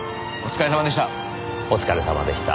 お疲れさまでした。